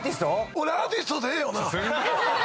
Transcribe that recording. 「俺アーティストでええよな」